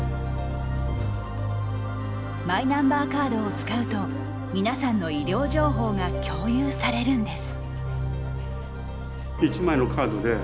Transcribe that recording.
マイナンバーカードを使うと皆さんの医療情報が共有されるんです。